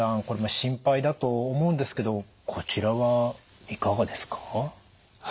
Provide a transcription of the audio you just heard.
これも心配だと思うんですけどこちらはいかがですか？